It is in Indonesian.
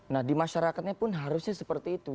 nah di masyarakatnya pun harusnya seperti itu